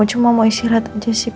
cuma mau istirahat aja sih